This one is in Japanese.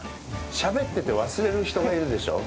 しゃべってて忘れる人がいるでしょう。